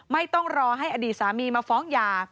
ไม่ต้องรอให้อดีตสามีมาฟ้องหย่า